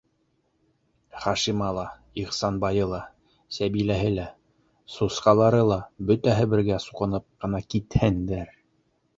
Хашимы ла, Ихсанбайы ла, Сәбиләһе лә, сусҡалары ла бөтәһе бергә суҡынып ҡына китһендәр!